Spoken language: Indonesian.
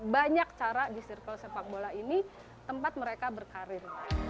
banyak cara di circle sepak bola ini tempat mereka berkarir